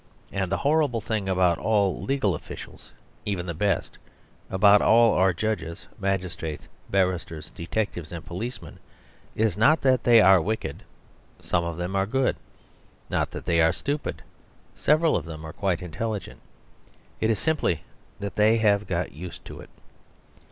And the horrible thing about all legal officials, even the best, about all judges, magistrates, barristers, detectives, and policemen, is not that they are wicked (some of them are good), not that they are stupid (several of them are quite intelligent), it is simply that they have got used to it.